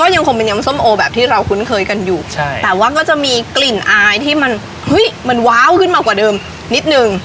ยังคงเป็นยำส้มโอแบบที่เราคุ้นเคยกันอยู่ใช่แต่ว่าก็จะมีกลิ่นอายที่มันเฮ้ยมันว้าวขึ้นมากว่าเดิมนิดนึง